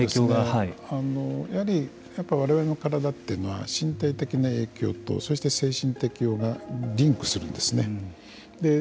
やはりわれわれの体というのは身体的な影響とそして精神的影響がリンクするんですね。